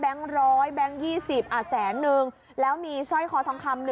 ๑๐อ่ะแสน๑แล้วมีช่อยคอทองคำ๑